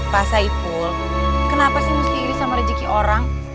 pak saiful kenapa sih mesti iri sama rezeki orang